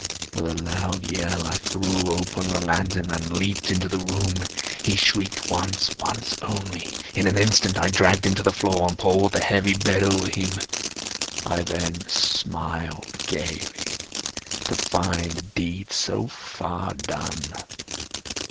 With a loud yell, I threw open the lantern and leaped into the room. He shrieked once—once only. In an instant I dragged him to the floor, and pulled the heavy bed over him. I then smiled gaily, to find the deed so far done.